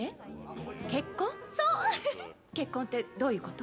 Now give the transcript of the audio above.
結婚ってどういうこと？